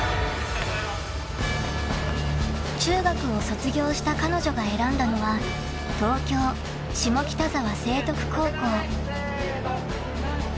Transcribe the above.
［中学を卒業した彼女が選んだのは東京下北沢成徳高校］